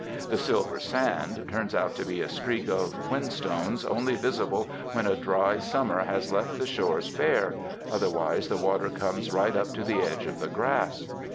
The '' silver sand ^ turns out to be a streak of whinstones, only visible when a dry summer has left the shores bare, otherwise the water comes right up to the edge of the grass.